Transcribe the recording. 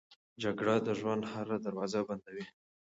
جګړه د ژوند هره دروازه بندوي